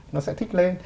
nó sẽ thích lên